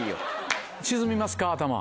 沈みますか頭。